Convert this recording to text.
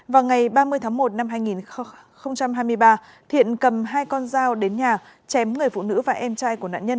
vào ngày ba mươi tháng một năm hai nghìn hai mươi ba thiện cầm hai con dao đến nhà chém người phụ nữ và em trai của nạn nhân